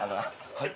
はい。